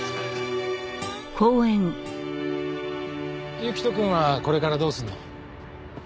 行人くんはこれからどうするの？